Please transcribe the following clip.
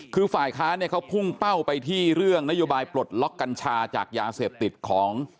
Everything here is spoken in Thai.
คือฝ่ายค้าเนี่ยเขาพุ่งเป้าไปที่เรื่องนโยบายปลดล็อกกัญชาจากยาเสพติดของ